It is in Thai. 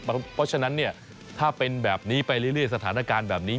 เพราะฉะนั้นถ้าเป็นแบบนี้ไปเรื่อยสถานการณ์แบบนี้